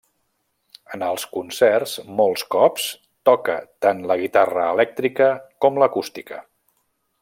En els concerts, molts cops, toca tant la guitarra elèctrica com l'acústica.